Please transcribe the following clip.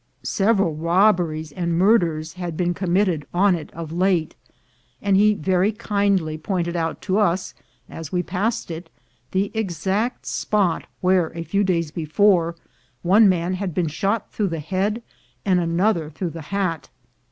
Several robberies and murders had been com mitted on it of late, and he very kindly pointed out to us, as we passed it, the exact spot where, a few days before, one man had been shot through the head, and another through the hat.